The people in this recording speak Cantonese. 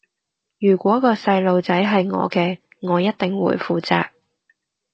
如果個細路仔係我嘅，我一定會負責